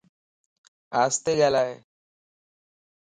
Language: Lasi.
آستي ڳالائي